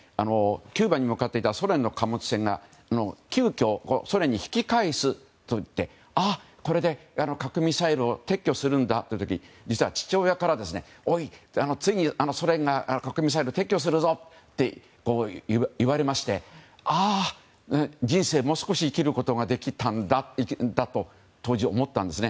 キューバに向かったソ連の貨物船が急きょソ連に引き返すといってあ、これで核ミサイルを撤去するんだという時に実は父親からおい、ついにソ連が核ミサイルを撤去するぞと言われましてああ、もう少し生きることができるんだと当時思ったんです。